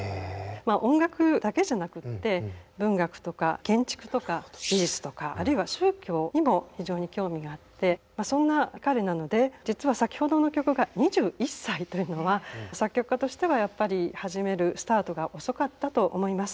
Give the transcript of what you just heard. まあ音楽だけじゃなくって文学とか建築とか美術とかあるいは宗教にも非常に興味があってまあそんな彼なので実は先ほどの曲が２１歳というのは作曲家としてはやっぱり始めるスタートが遅かったと思います。